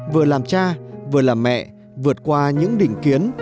vừa làm cha vừa làm mẹ vượt qua những đình kiến